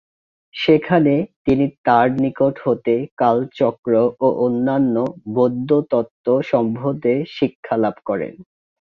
সেখানে তিনি তার নিকট হতে কালচক্র ও অন্যান্য বৌদ্ধ তত্ত্ব সম্বন্ধে শিক্ষালাভ করেন।